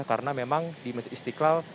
karena memang di masjid istiqlal